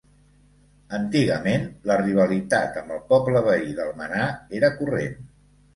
Antigament, la rivalitat amb el poble veí d'Almenar era corrent.